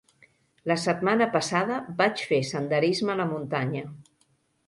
La setmana passada vaig fer senderisme a la muntanya.